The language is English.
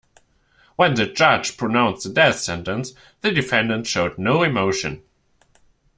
When the judge pronounced the death sentence, the defendant showed no emotion.